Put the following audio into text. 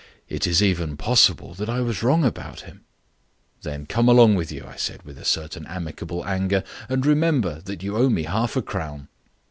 It is even possible that I was wrong about him." "Then come along with you," I said, with a certain amicable anger, "and remember that you owe me half a crown."